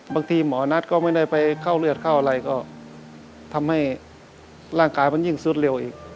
บางทีหมอนัทก็ไม่ได้ไปเข้าเลือดเข้าอะไรก็ทำให้ร่างกายมันยิ่งสุดเร็วอีก